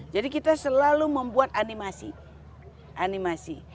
jadi kita selalu membuat animasi